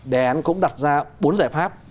đề án cũng đặt ra bốn giải pháp